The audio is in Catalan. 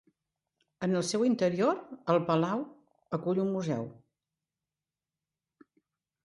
En el seu interior, el palau acull un museu.